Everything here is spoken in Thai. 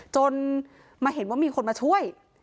จนมาเห็นว่ามีคนมาช่วย